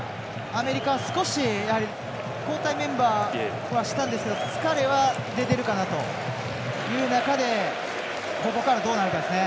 アメリカは少し交代はしたんですけど疲れは出ているかなという中でここから、どうなるかですね。